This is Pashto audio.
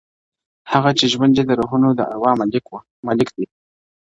هغه چي ژوند يې د روحونو د اروا مالک دی